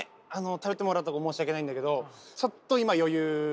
頼ってもらったところ申し訳ないんだけどちょっと今余裕ない。